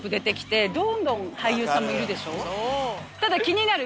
ただ気になる